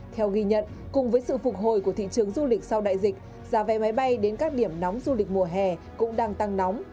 theo ghi nhận cùng với sự phục hồi của thị trường du lịch sau đại dịch giá vé máy bay đến các điểm nóng du lịch mùa hè cũng đang tăng nóng